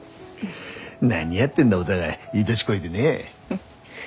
何やってんだお互いいい年こいてねえ。